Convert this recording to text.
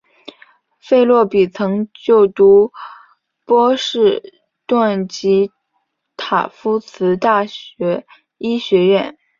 费洛比曾就读波士顿的及塔夫茨大学医学院。